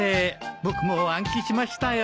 僕も暗記しましたよ。